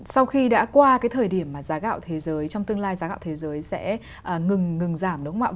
sau khi đã qua cái thời điểm mà giá gạo thế giới trong tương lai giá gạo thế giới sẽ ngừng ngừng giảm đúng không ạ